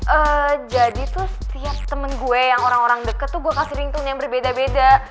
eee jadi tuh setiap temen gue yang orang orang deket tuh gue kasih rington yang berbeda beda